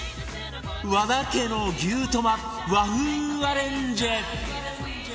和田家の牛トマ和風アレンジ